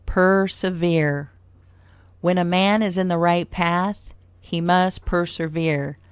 PERSEVERE When a man is in the right path, he must persevere.